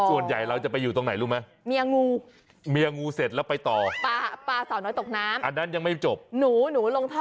ปลาสาวน้อยตกน้ำอันนั้นยังไม่จบหนูหนูลงท่อ